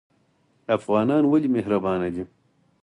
افغانان ولې مهربان دي؟